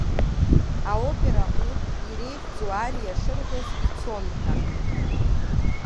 Аопера аҟнытә иреиӷьӡоу ариа шырҳәоз ицон ҳәа.